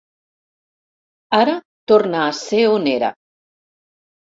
Ara torna a ser on era.